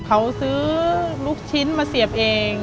เขาซื้อลูกชิ้นมาเสียบเอง